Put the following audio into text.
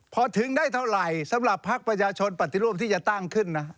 พอถึงได้เท่าไหร่สำหรับพักประชาชนปฏิรูปที่จะตั้งขึ้นนะ